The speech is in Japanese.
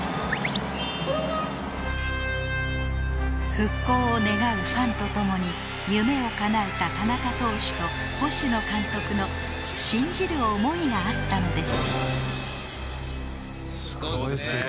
復興を願うファンと共に夢をかなえた田中投手と星野監督の信じる思いがあったのです